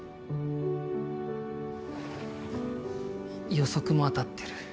予測も当たってる。